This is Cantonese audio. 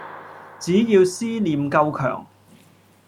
只要思念夠强